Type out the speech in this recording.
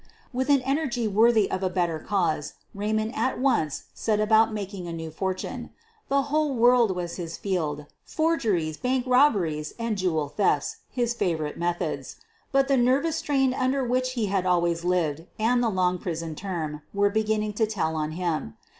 With an energy worthy of a better cause, Ray mond at once set about making a new fortune. The whole world was his field — forgeries, bank robber ies, and jewel thefts his favorite methods. But the nervous strain under which he had always lived and the long prison term were beginning to tell on him.